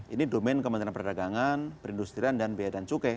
ini domen kementerian perdagangan perindustrian dan biaya dan cukai